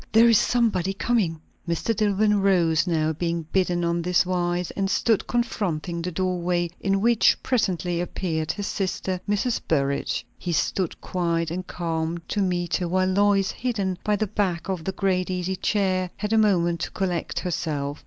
there is somebody coming!" Mr. Dillwyn rose now, being bidden on this wise, and stood confronting the doorway, in which presently appeared his sister, Mrs. Burrage. He stood quiet and calm to meet her; while Lois, hidden by the back of the great easy chair, had a moment to collect herself.